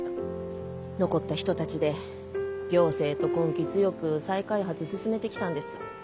残った人たちで行政と根気強く再開発進めてきたんです。